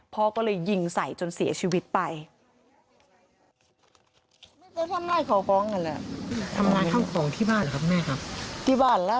พ่อก็เลยยิงใส่จนเสียชีวิตไป